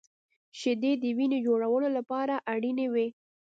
• شیدې د وینې جوړولو لپاره اړینې وي.